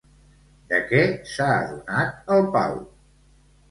De què s'ha adonat el Pau?